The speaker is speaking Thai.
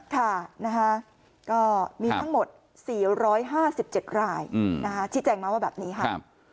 ค่ะก็มีทั้งหมด๔๕๗รายชี้แจงมาว่าแบบนี้ค่ะ